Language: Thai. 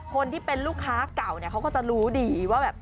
คนที่เป็นลูกค้าเก่าเนี่ยเขาก็จะรู้ดีว่าแบบ